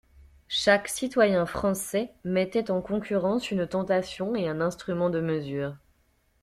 Chaque citoyen français mettait en concurrence une tentation et un instrument de mesure.